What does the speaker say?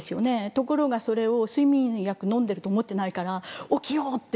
ところがそれを睡眠薬飲んでると思ってないから。